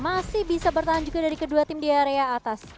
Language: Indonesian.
masih bisa bertahan juga dari kedua tim di area atas